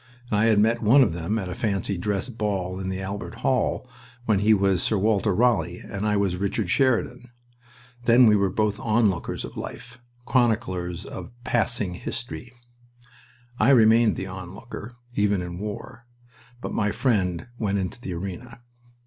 I had met one of them at a fancy dress ball in the Albert Hall, when he was Sir Walter Raleigh and I was Richard Sheridan. Then we were both onlookers of life chroniclers of passing history. I remained the onlooker, even in war, but my friend went into the arena.